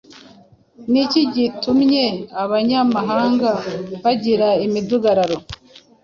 Ni iki gitumye abanyamahanga bagira imidugararo,